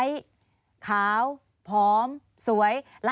มีความรู้สึกว่ามีความรู้สึกว่า